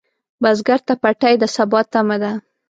بزګر ته پټی د سبا تمه ده